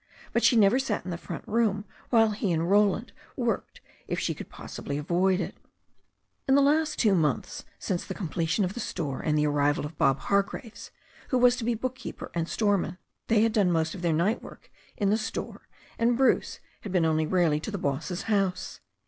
But she never sat in the front room while he and Roland worked if she could possibly avoid it. In the last two months, since the completion of the store and the arrival of Bob Hargraves, who was to be book keeper and storeman, they had done most of their night work in the store, and Bruce had been only rarely to the boss's house.